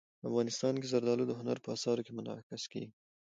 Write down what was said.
افغانستان کې زردالو د هنر په اثار کې منعکس کېږي.